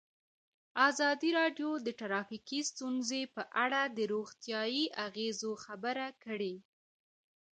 ازادي راډیو د ټرافیکي ستونزې په اړه د روغتیایي اغېزو خبره کړې.